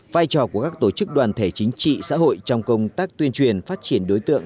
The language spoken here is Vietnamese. vai trò của các tổ chức đoàn thể chính trị xã hội trong công tác tuyên truyền phát triển đối tượng